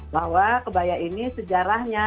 bahwa kebaya ini sejarahnya